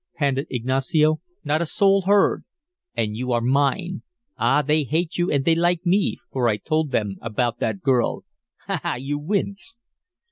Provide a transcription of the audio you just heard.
panted Ignacio. "Not a soul heard! And you are mine. Ah, they hate you and they like me, for I told them about that girl. Ha, ha! You wince!"